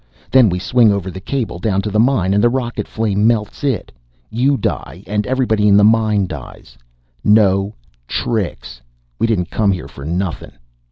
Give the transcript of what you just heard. Then we swing over the cable down to the mine and the rocket flame melts it! You die and everybody in the mine besides! No tricks! We didn't come here for nothing!"